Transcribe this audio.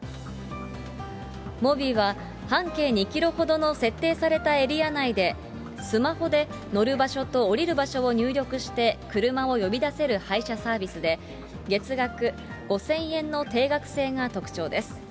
モビは半径２キロほどの設定されたエリア内で、スマホで乗る場所と降りる場所を入力して車を呼び出せる配車サービスで、月額５０００円の定額制が特徴です。